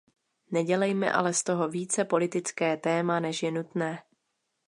Nedělejme ale z toho více politické téma, než je nutné.